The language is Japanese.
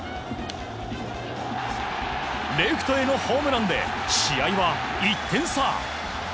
レフトへのホームランで試合は１点差。